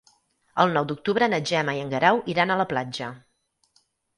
El nou d'octubre na Gemma i en Guerau iran a la platja.